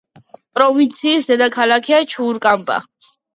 პროვინციის დედაქალაქია ჩურკამპა.